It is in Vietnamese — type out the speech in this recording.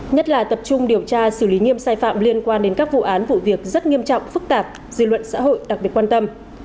nhất là tập trung điều tra xử lý nghiêm sai phạm liên quan đến các vụ án vụ việc rất nghiêm trọng phức tạp dư luận xã hội đặc biệt quan tâm